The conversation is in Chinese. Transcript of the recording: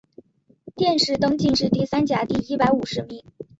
殿试登进士第三甲第一百五十名。